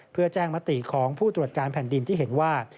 เพื่อแจ้งมติของผู้ตรวจการแผ่นดินที่เห็นว่า